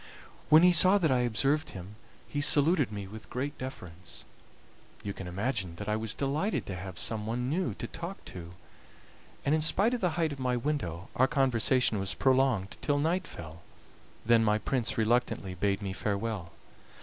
When he saw that I observed him he saluted me with great deference. You can imagine that I was delighted to have some one new to talk to, and in spite of the height of my window our conversation was prolonged till night fell, then my prince reluctantly bade me farewell.